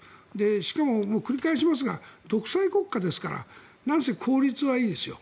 しかも、繰り返しますが独裁国家ですから何せ効率はいいですよ。